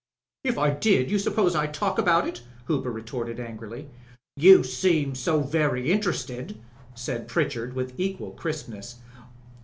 "If I did d'you suppose I'd talk about it?" Hooper retorted angrily. "You seemed so very interested," said Pritchard with equal crispness.